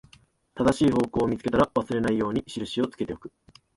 正しい方向を見つけたら、忘れないように印をつけておく